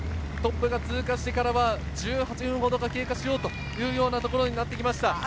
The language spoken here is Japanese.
トップが通過してからは、１８分ほどが経過しようというようなところになってきました。